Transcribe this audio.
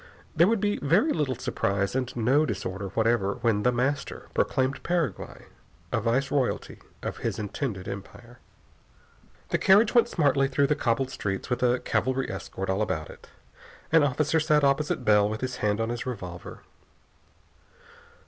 There would be very little surprise and no disorder whatever when The Master proclaimed Paraguay a viceroyalty of his intended empire. The carriage went smartly through the cobbled streets with a cavalry escort all about it. An officer sat opposite Bell with his hand on his revolver.